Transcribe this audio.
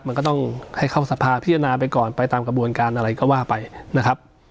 มันก็ต้องให้เข้าสภาพิจารณาไปก่อนไปตามกระบวนการอะไรก็ว่าไปนะครับ